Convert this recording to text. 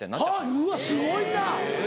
うわすごいな！